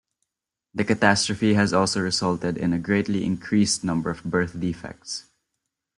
The catastrophe has also resulted in a greatly increased number of birth defects.